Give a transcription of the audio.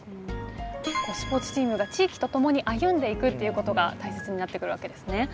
スポーツチームが地域と共に歩んでいくっていうことが大切になってくるわけですね。